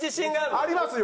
ありますよ！